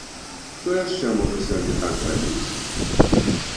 Хто яшчэ можа сёння так зрабіць?